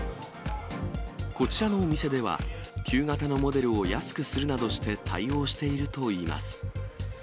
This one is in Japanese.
こちらのお店では、旧型のモデルを安くするなどして対応しているといいます。